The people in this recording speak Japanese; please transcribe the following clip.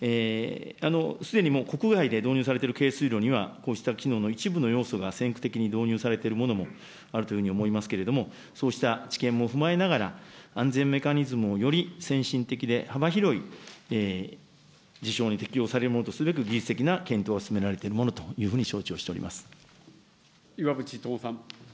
すでに国外で導入されている軽水炉には、こうした機能の一部の要素が先駆的に導入されているものもあるというふうに思いますけれども、そうした知見も踏まえながら、安全メカニズムをより先進的で幅広い事象に適用されるものとするべく、技術的な検討が進められているものというふうに承知をして岩渕友さん。